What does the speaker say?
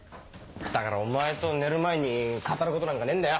だからお前と寝る前に語ることなんかねえんだよ。